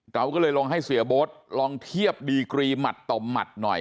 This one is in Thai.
เราก็เลยลองให้เสียโบ๊ทลองเทียบดีกรีหมัดต่อหมัดหน่อย